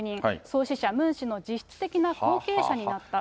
創始者、ムン氏の実質的な後継者になった。